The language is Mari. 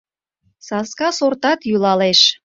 Саска сортат йӱлалеш.